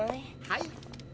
はい？